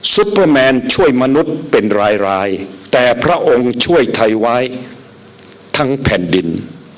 ซุปเปอร์แมนช่วยมนุษย์เป็นรายแต่พระองค์ช่วยไทยไว้ทั้งแผ่นดิน